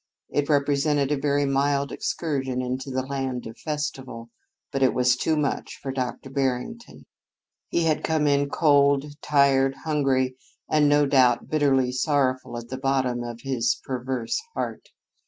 It represented a very mild excursion into the land of festival, but it was too much for Dr. Barrington. He had come in cold, tired, hungry, and, no doubt, bitterly sorrowful at the bottom of his perverse heart.